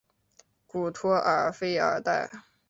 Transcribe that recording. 古托尔弗尔代。